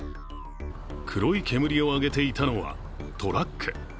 黒い煙を上げていたのはトラック。